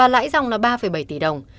lãi dòng là ba bảy tỷ đồng